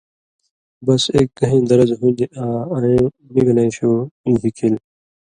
بس اېک گھَیں درز ہُون٘دیۡ آں اَیں (نِگلَیں شُو) ژِھکِل